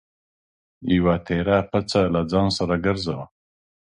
یوه تېره پڅه له ځان سره ګرځوه.